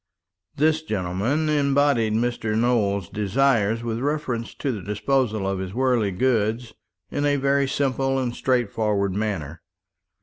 This gentleman embodied Mr. Nowell's desires with reference to the disposal of his worldly goods in a very simple and straightforward manner.